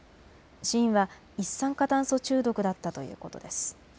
死因は一酸化炭素中毒だったということです。